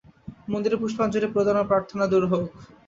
মন্দিরে পুষ্পাঞ্জলি প্রদান ও প্রার্থনা দূর হউক।